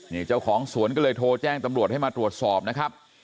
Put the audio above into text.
นี่เจ้าของสวนก็เลยโทรแจ้งตำรวจให้มาตรวจสอบนะครับ